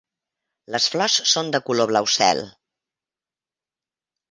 Les flors són de color blau cel.